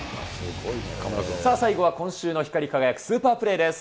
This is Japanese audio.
さあ、最後は今週の光り輝くスーパープレーです。